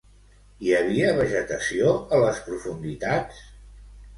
Hi havia vegetació a les profunditats?